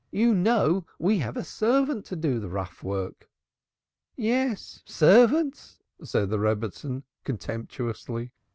"You know we have a servant to do the rough work." "Yes, servants!" said the Rebbitzin, contemptuously.